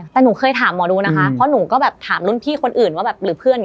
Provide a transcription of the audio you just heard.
แต่หนูเคยถามหมอดูนะคะเพราะหนูก็แบบถามรุ่นพี่คนอื่นว่าแบบหรือเพื่อน